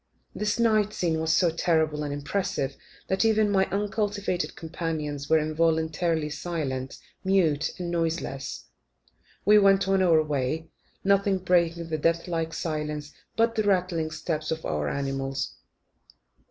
This night scene was so terrible and impressive that even my uncultivated companions were involuntarily silent mute, and noiseless, we went on our way, nothing breaking the death like stillness but the rattling steps of our animals.